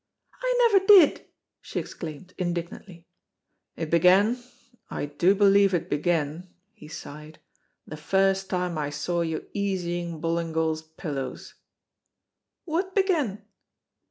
"I never did!" she exclaimed, indignantly. "It began, I do believe it began," he sighed, "the first time I saw you easying Ballingall's pillows." "What began?"